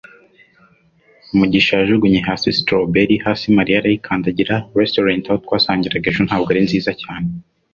mugisha yajugunye hasi strawberry hasi mariya arayikandagira. restaurant aho twasangiraga ejo ntabwo ari nziza cyane